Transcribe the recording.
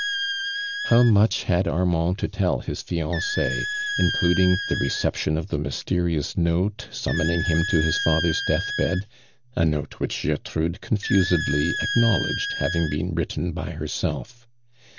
How much had Armand to tell his Jiancie, including the reception of the mysterious note summoning him to his father's death bed (o note which Gertrude confusedly acknowledged having been written by herself.)